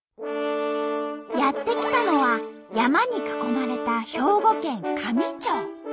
やって来たのは山に囲まれた兵庫県香美町。